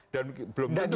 dan belum tentu